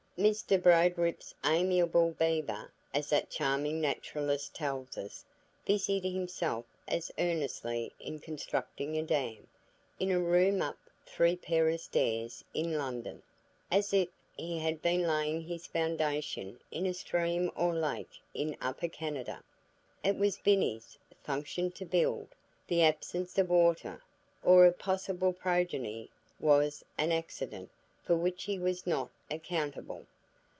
Mr Broderip's amiable beaver, as that charming naturalist tells us, busied himself as earnestly in constructing a dam, in a room up three pair of stairs in London, as if he had been laying his foundation in a stream or lake in Upper Canada. It was "Binny's" function to build; the absence of water or of possible progeny was an accident for which he was not accountable.